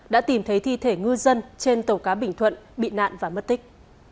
đã tìm thấy thi thể ngư dân trên tàu cá bình thuận bị nạn và mất tích